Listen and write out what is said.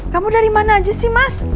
kamu dari mana aja sih mas